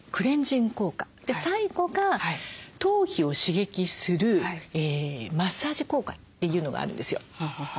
最後が頭皮を刺激するマッサージ効果というのがあるんですよ。